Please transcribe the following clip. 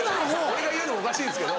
俺が言うのもおかしいですけど。